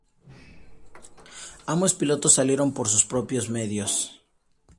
Ambos pilotos salieron por sus propios medios.